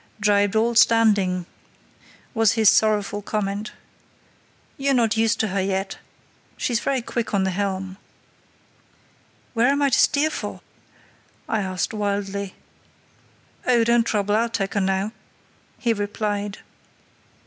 "Jibed all standing," was his sorrowful comment. "You're not used to her yet. She's very quick on the helm." "Where am I to steer for?" I asked, wildly. "Oh, don't trouble, I'll take her now," he replied.